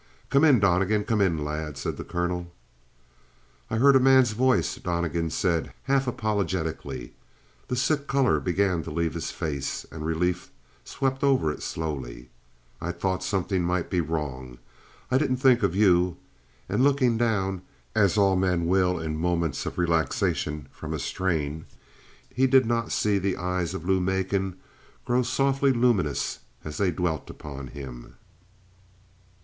"Come in, Donnegan. Come in, lad," said the colonel. "I heard a man's voice," Donnegan said half apologetically. The sick color began to leave his face, and relief swept over it slowly. "I thought something might be wrong. I didn't think of you." And looking down, as all men will in moments of relaxation from a strain, he did not see the eyes of Lou Macon grow softly luminous as they dwelt upon him.